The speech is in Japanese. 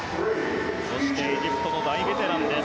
そしてエジプトの大ベテランです。